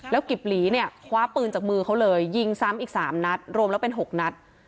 กิบหลีเนี่ยคว้าปืนจากมือเขาเลยยิงซ้ำอีก๓นัดรวมแล้วเป็น๖นัด